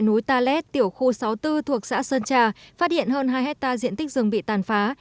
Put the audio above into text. tại núi ta lét tiểu khu sáu mươi bốn thuộc xã sơn trà phát hiện hơn hai hectare diện tích rừng bị tàn phá